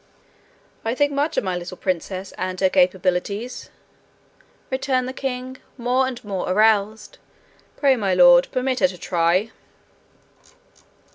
'I think much of my little princess and her capabilities,' returned the king, more and more aroused. 'Pray, my lord, permit her to try.'